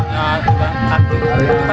kuda sambil menombak